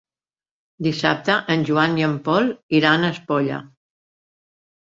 Dissabte en Joan i en Pol iran a Espolla.